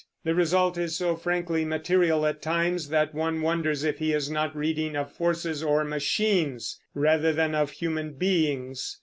The result is so frankly material at times that one wonders if he is not reading of forces or machines, rather than of human beings.